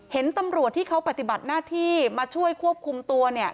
เห็นตำรวจที่เขาปฏิบัติหน้าที่มาช่วยควบคุมตัวเนี่ย